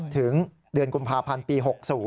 ถึงเดือนกุมภาพันธ์ปี๖๐